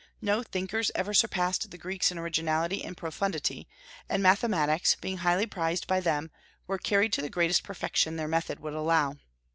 No thinkers ever surpassed the Greeks in originality and profundity; and mathematics, being highly prized by them, were carried to the greatest perfection their method would allow.